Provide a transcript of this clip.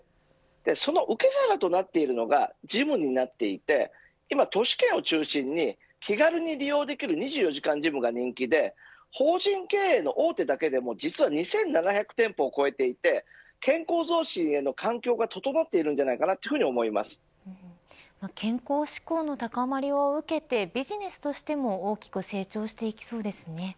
その受け皿となっているのがジムになっていて今、都市圏を中心に気軽に利用できる２４時間ジムが人気で法人経営の大手だけでも実は２７００店舗を超えていて健康増進への環境が整っているんじゃないかなと健康志向の高まりを受けてビジネスとしても大きく成長していきそうですね。